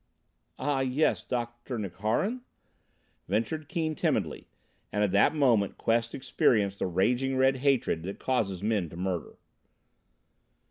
"Yes, ah Dr. Nukharin," ventured Keane timidly, and at that moment Quest experienced the raging red hatred that causes men to murder.